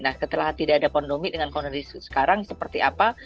nah setelah tidak ada kondomi dengan kondisi sekarang seperti apa